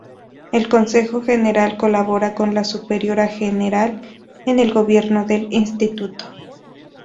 El consejo general colabora con la superiora general en el gobierno del instituto.